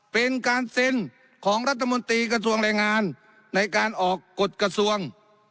เป็นการเซ็นของรัฐมนตรีกระทรวงแรงงานในการออกกฎกระทรวง